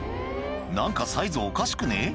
何かサイズおかしくねえ？